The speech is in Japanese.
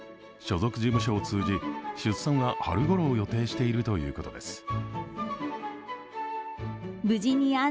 所属事務所を通じ、出産は春ごろを予定しているということです。